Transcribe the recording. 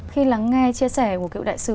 khi lắng nghe chia sẻ của cựu đại sứ